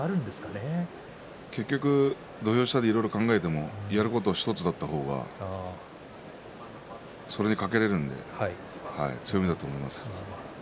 結局土俵下でいろいろ考えてもやることが１つだった方がそれにかけられるので強みだと思います。